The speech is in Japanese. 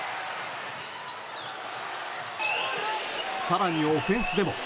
更にオフェンスでも。